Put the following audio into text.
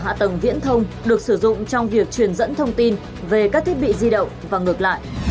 hạ tầng viễn thông được sử dụng trong việc truyền dẫn thông tin về các thiết bị di động và ngược lại